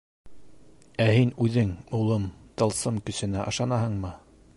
Ә һин үҙең, улым, тылсым көсөнә ышанаһыңмы?